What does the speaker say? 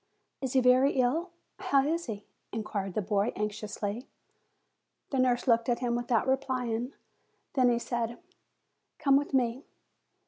"Is he very ill? How is he?" inquired the boy, anxiously. The nurse looked at him, without replying. Then he said, "Come with me."